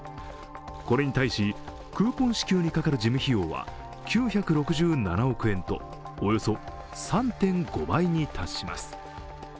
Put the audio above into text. これに対し、クーポン支給にかかる事務費用は９６７億円とおよそ３．５倍に達します。